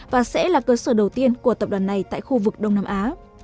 và sẽ là cơ sở đầu tiên của tập đoàn này tại khu vực đông nam á